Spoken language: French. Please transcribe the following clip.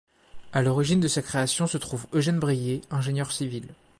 À l'origine de sa création se trouve Eugène Brillié ingénieur civil.